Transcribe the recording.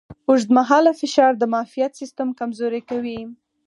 اوږدمهاله فشار د معافیت سیستم کمزوری کوي.